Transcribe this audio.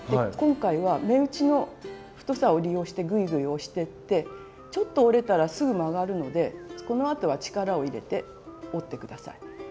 今回は目打ちの太さを利用してグイグイ押していってちょっと折れたらすぐ曲がるのでこのあとは力を入れて折って下さい。